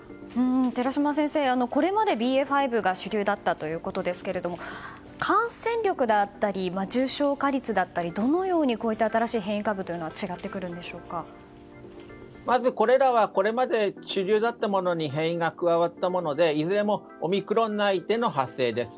寺嶋先生、これまでＢＡ．５が主流だったということですが感染力や重症化率だったりこの新しい変異株はどのようにまず、これらはこれまで主流だったものに変異が加わったものでいずれもオミクロン内の派生です。